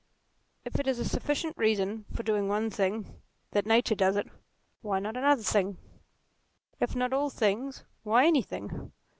If it is a sufficient reason for doing one thing, that nature does it, why not another thing? If not * all things, why anything?